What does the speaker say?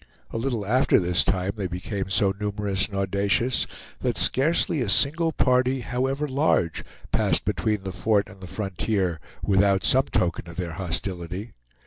A little after this time they became so numerous and audacious, that scarcely a single party, however large, passed between the fort and the frontier without some token of their hostility.